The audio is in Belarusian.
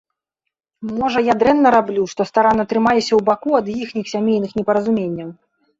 Можа, я дрэнна раблю, што старанна трымаюся ў баку ад іхніх сямейных непаразуменняў?